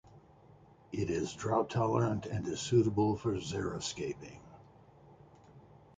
It is drought-tolerant and is suitable for xeriscaping.